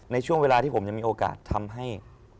ในช่วงเวลาที่ผมยังมีโอกาสทำให้